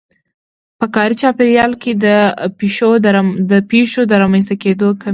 په کاري چاپېريال کې د پېښو د رامنځته کېدو کمی.